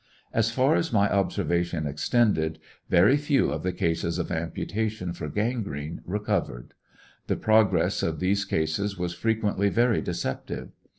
As far as my observation extended, very few of the cases of amputation for gangrene recov ered. The progress of these cases was frequently very deceptive.